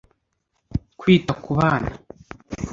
kwita ku bana